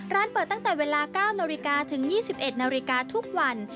ร้านเปิดตั้งแต่เวลา๙นถึง๒๑นทุกวัน